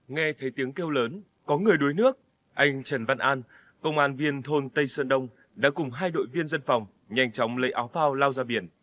nghe thấy tiếng kêu lớn có người đuối nước anh trần văn an công an viên thôn tây sơn đông đã cùng hai đội viên dân phòng nhanh chóng lấy áo phao lao ra biển